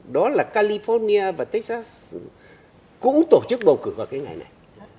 đó là california và texas cũng tổ chức bầu cử vào cái ngày này